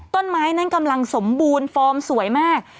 ต้นไม้นั้นกำลังสมบูรณ์ฟอร์มสวยมาก